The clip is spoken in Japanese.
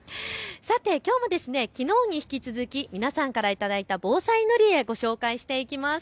きょうもきのうに引き続き皆さんから頂いた防災塗り絵、ご紹介していきます。